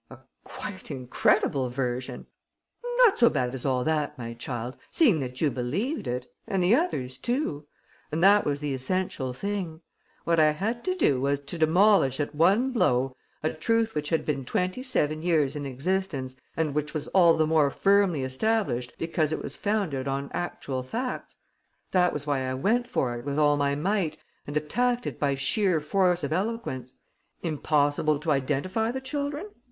"A quite incredible version!" "Not so bad as all that, my child, seeing that you believed it ... and the others too. And that was the essential thing. What I had to do was to demolish at one blow a truth which had been twenty seven years in existence and which was all the more firmly established because it was founded on actual facts. That was why I went for it with all my might and attacked it by sheer force of eloquence. Impossible to identify the children?